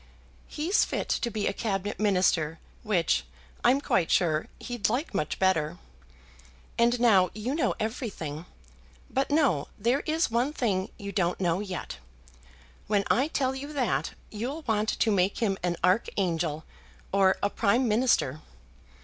"He's fit to be a cabinet minister, which, I'm quite sure, he'd like much better. And now you know everything; but no, there is one thing you don't know yet. When I tell you that, you'll want to make him an archangel or a prime minister.